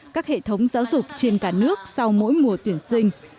các hệ thống giáo dục trên cả nước sau mỗi mùa tuyển sinh